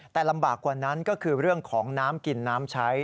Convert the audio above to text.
แต่ลำบากกว่านั้นก็คือเรื่องของน้ำกินน้ำใช้